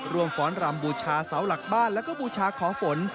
ฟ้อนรำบูชาเสาหลักบ้านแล้วก็บูชาของฝน